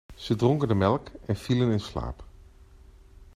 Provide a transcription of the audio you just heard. Ze dronken de melk en vielen in slaap.